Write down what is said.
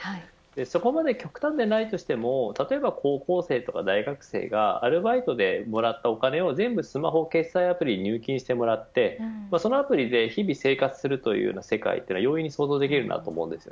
そこまで極端ではなくても高校生とか大学生アルバイトでもらったお金を全部スマホ決済サービスに入金してもらってそのアプリで日々生活する例は容易に想像できます。